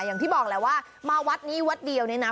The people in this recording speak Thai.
อย่างที่บอกแหละว่ามาวัดนี้วัดเดียวเนี่ยนะ